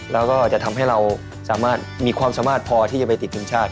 แล้วก็จะทำให้เราสามารถมีความสามารถพอที่จะไปติดทีมชาติ